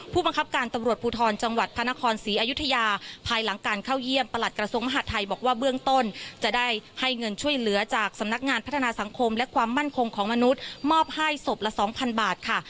ผู้บังคับการตำรวจภูทรจังหวัดพระนครศรีอยุธยาภายหลังการเข้าเยี่ยมประหลัดกระทรวงมหาดไทยบอกว่าเบื้องต้นจะได้ให้เงินช่วยเหลือจากสำนักงานพัฒนาสังคมและความมั่นคงของมนุษย์มอบให้ศพละสองพันบาทค่ะ